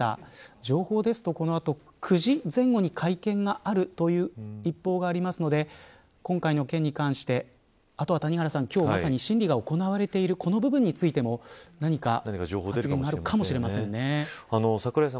情報ですと、この後９時前後に会見があるという一報がありますので今回の件に関してあとは谷原さん、今日まさに審理が行われているこの部分についても何か発言が櫻井さん